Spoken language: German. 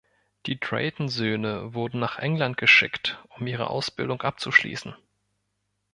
Die Drayton-Söhne wurden nach England geschickt, um ihre Ausbildung abzuschließen.